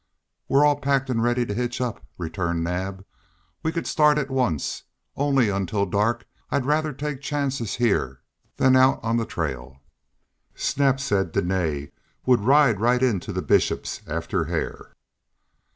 "We're all packed and ready to hitch up," returned Naab. "We could start at once, only until dark I'd rather take chances here than out on the trail." "Snap said Dene would ride right into the Bishop's after Hare."